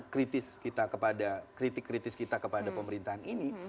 kritik kritik kita kepada pemerintahan ini